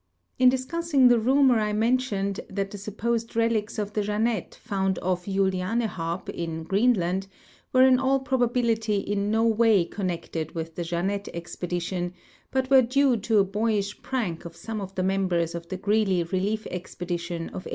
In discussing the rumor I mentioned that the supposed relics of the Jeannette found off Julianehaab, in Greenland, were in all probability in no way connected with the Jeannette expedition, but were due to a boy ish prank of some of the members of the Greely relief expedition of 1884.